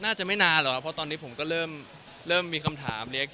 น่าจะไม่นานหรอกครับเพราะตอนนี้ผมก็เริ่มมีคำถามเรียก